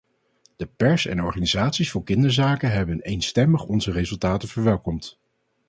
De pers en organisaties voor kinderzaken hebben eenstemmig onze resultaten verwelkomd.